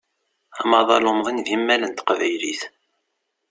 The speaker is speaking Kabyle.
Amaḍal umḍin d imal n teqbaylit.